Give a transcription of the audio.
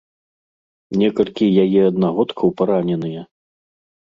Некалькі яе аднагодкаў параненыя.